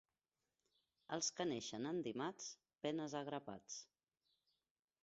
Els que neixen en dimarts, penes a grapats.